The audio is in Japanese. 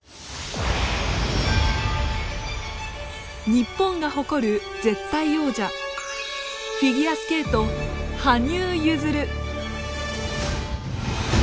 日本が誇る絶対王者フィギュアスケート羽生結弦。